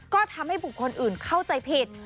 ก็ทำให้บุคคลอื่นเข้าใจผิด